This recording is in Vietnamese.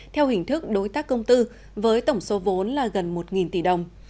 theo hình thức đối tác công tư với tổng số vốn là gần một tỷ đồng